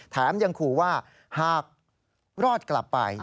แถมยังขู่ว่าหากรอดกลับไป